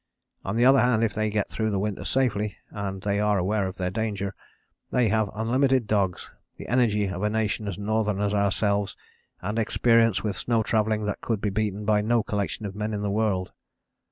On the other hand if they get through the winter safely (and they are aware of their danger), they have unlimited dogs, the energy of a nation as northern as ourselves, and experience with snow travelling that could be beaten by no collection of men in the world.